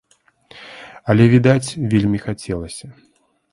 Але, відаць, вельмі хацелася.